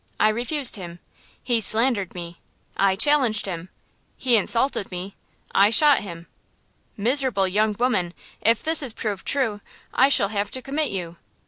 I refused him. He slandered me. I challenged him. He insulted me. I shot him!" "Miserable young woman, if this is proved true, I shall have to commit you!"